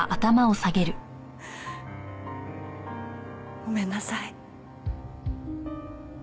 ごめんなさい。